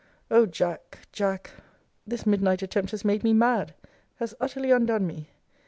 O Jack, Jack! This midnight attempt has made me mad; has utterly undone me!